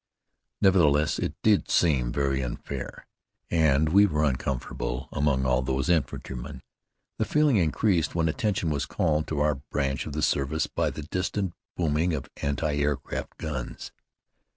Nevertheless, it did seem very unfair, and we were uncomfortable among all those infantrymen. The feeling increased when attention was called to our branch of the service by the distant booming of anti aircraft guns.